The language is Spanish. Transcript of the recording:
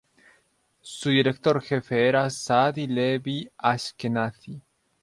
Su director jefe era Saadi Levi Ashkenazi.